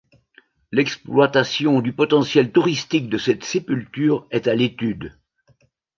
L'exploitation du potentiel touristique de cette sépulture est à l'étude.